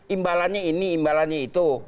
imbalannya ini imbalannya itu